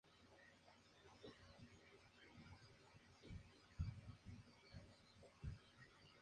Ganar el primer premio en un concurso no garantiza que se construya ese proyecto.